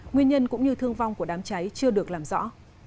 nguyên nhân cũng như thương vong của đám cháy chưa được làm rõ